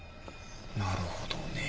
なるほどね。